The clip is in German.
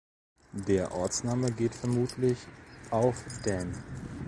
Der Ortsname geht vermutlich auf dän.